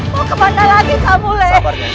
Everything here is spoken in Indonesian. mau kemana lagi kamu le